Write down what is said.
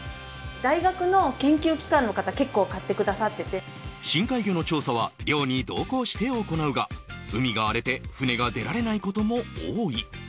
大学の研究機関の方、結構、深海魚の調査は、漁に同行して行うが、海が荒れて船が出られないことも多い。